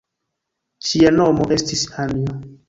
Ŝia nomo estis Anjo.